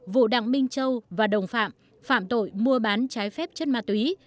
vụ đặng minh châu và đồng phạm phạm tội mua bán trái phép chất ma túy